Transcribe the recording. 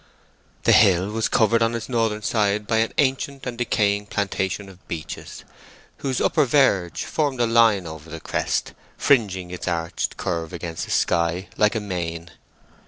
The hill was covered on its northern side by an ancient and decaying plantation of beeches, whose upper verge formed a line over the crest, fringing its arched curve against the sky, like a mane.